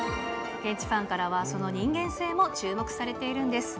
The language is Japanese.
現地ファンからはその人間性も注目されているんです。